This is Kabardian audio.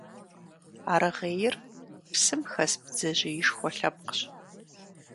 Аргъейр псым хэс бдзэжьеишхуэ лъэпкъщ.